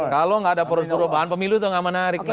kalau gak ada proses perubahan pemilu itu gak menarik